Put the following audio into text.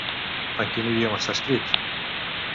En quin idioma està escrit?